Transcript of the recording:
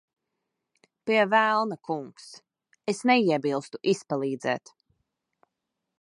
Pie velna, kungs. Es neiebilstu izpalīdzēt.